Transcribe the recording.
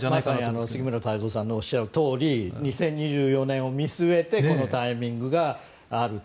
まさに杉村太蔵さんのおっしゃるとおり２０２４年を見据えてこのタイミングがあると。